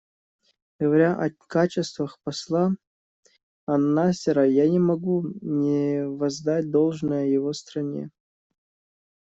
Говоря о качествах посла ан-Насера, я не могу не воздать должное его стране.